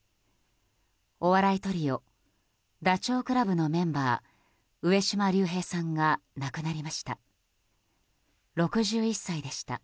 お笑いトリオダチョウ倶楽部のメンバー上島竜兵さんが亡くなりました。